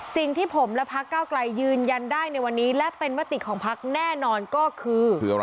สิ่งที่ผมและพักเก้าไกลยืนยันได้ในวันนี้และเป็นมติของพักแน่นอนก็คือ